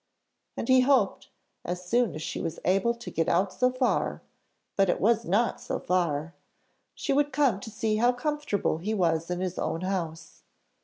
And he hoped, as soon as she was able to get out so far but it was not so far she would come to see how comfortable he was in his own house.